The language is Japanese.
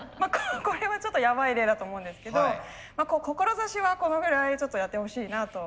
これはちょっとやばい例だと思うんですけど志はこのぐらいちょっとやってほしいなと。